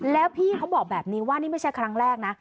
แล้วพี่เขาบอกแบบนี้ว่านี่ไม่ใช่ครั้งแรกนะ